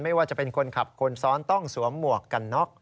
ไม่ว่าจะเป็นคนขับคนซ้อนต้องสวมหมวกกันน็อก